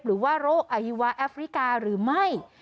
หรือว่าโรคอฮิวะแอฟริกาหรือไม่